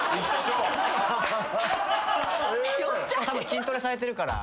筋トレされてるから。